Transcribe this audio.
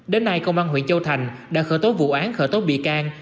đến nay công an huyện châu thành đã khởi tố vụ án khởi tố bị can